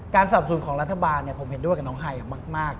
สับสนของรัฐบาลผมเห็นด้วยกับน้องไฮมาก